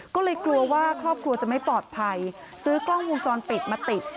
ก็เลยกลัวว่าครอบครัวจะไม่ปลอดภัยซื้อกล้องวงจรปิดมาติด